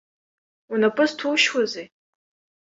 Унапы зҭушьуазеи?